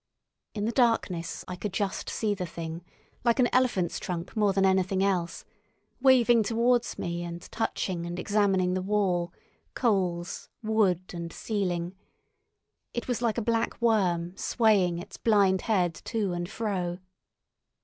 In the darkness I could just see the thing—like an elephant's trunk more than anything else—waving towards me and touching and examining the wall, coals, wood and ceiling. It was like a black worm swaying its blind head to and fro.